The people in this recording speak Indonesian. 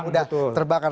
lebih mudah terbakar